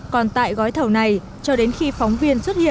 còn tại gói thầu này cho đến khi phóng viên